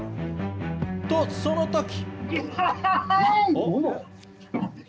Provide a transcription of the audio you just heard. と、そのとき。